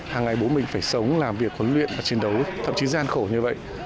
hàng ngày bố mình phải sống làm việc huấn luyện và chiến đấu thậm chí gian khổ như vậy